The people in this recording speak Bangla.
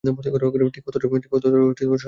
ঠিক অতটা সস্তা নই ছোটবাবু।